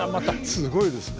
すごいですね。